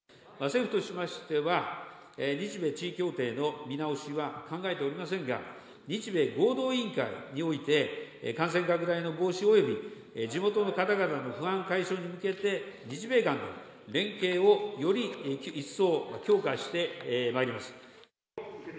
政府としましては、日米地位協定の見直しは考えておりませんが、日米合同委員会において、感染拡大の防止および地元の方々の不安解消に向けて、日米間の連携を、より一層強化してまいります。